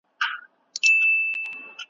ملي یووالی پیاوړی کیده.